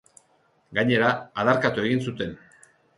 Gainera, adarkatu egin zuten.